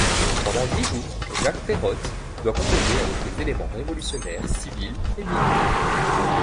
Pendant dix jours, Jacques Peirotes doit composer avec les éléments révolutionnaires, civils et militaires.